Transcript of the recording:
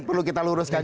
ini perlu kita luruskan